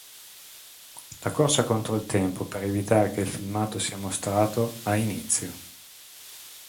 La corsa contro il tempo per evitare che il filmato sia mostrato ha inizio.